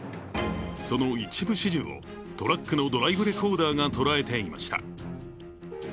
その一部始終をトラックのドライブレコーダーが捉えていました。